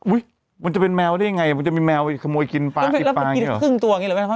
อุ๊ยมันจะเป็นแมวได้ยังไงมันจะมีแมวขโมยกินปลาอีกปลาอย่างเงี้ยเหรอ